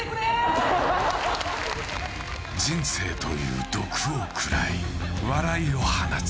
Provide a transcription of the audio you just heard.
人生という毒を食らい、笑いを放つ。